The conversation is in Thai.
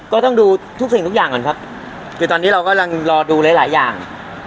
ก็ต้องดูทุกสิ่งทุกอย่างก่อนครับคือตอนนี้เรากำลังรอดูหลายหลายอย่าง